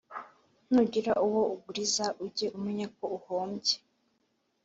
nugira uwo uguriza, ujye umenya ko uhombye